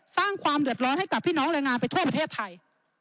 สร้างความเดือดร้อนให้กับพี่น้องแรงงานไปทั่วประเทศไทย